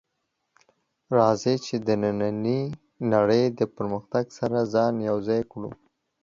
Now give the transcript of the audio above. راځئ چې د نننۍ نړۍ د پرمختګ سره ځان یو کړو